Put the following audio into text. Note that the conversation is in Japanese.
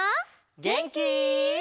げんき？